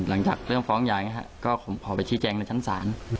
หลังจากของฟ้องหย่าก็พอไปที่แจงในชั้นศาร